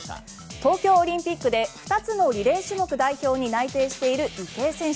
東京オリンピックで２つのリレー種目代表に内定している池江選手。